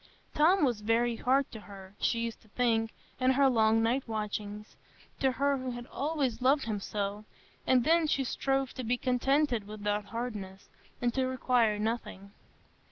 Tom was very hard to her, she used to think, in her long night watchings,—to her who had always loved him so; and then she strove to be contented with that hardness, and to require nothing.